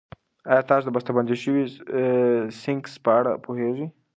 ایا تاسو د بستهبندي شويو سنکس په اړه پوهېږئ؟